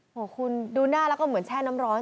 โอ้โหคุณดูหน้าแล้วก็เหมือนแช่น้ำร้อน